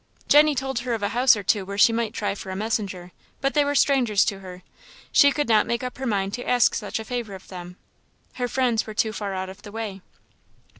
Jenny told her of a house or two where she might try for a messenger; but they were strangers to her she could not make up her mind to ask such a favour of them. Her friends were too far out of the way.